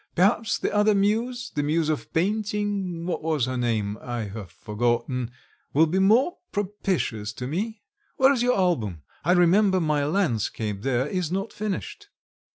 Perhaps the other muse, the muse of painting what was her name? I have forgotten... will be more propitious to me. Where's your album? I remember, my landscape there is not finished."